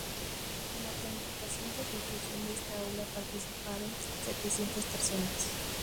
En la planificación y ejecución de esta obra participaron setecientas personas.